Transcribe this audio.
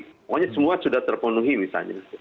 semuanya semua sudah terpenuhi misalnya